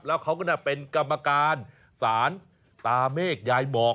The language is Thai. แล้วเขาก็เป็นกรรมการศาลตาเมฆยายหมอก